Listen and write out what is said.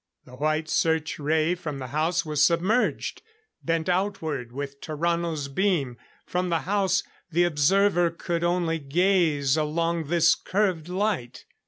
The white search ray from the house was submerged, bent outward with Tarrano's beam. From the house, the observer could only gaze along this curved light.